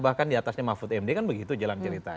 bahkan diatasnya mahfud md kan begitu jalan cerita